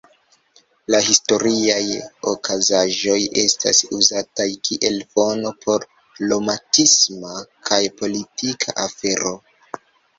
La historiaj okazaĵoj estas uzataj kiel fono por romantisma kaj politika afero.